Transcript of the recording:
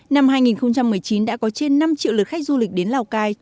năm hai nghìn một mươi chín đã có trên năm triệu lượt khách du lịch đến lào cai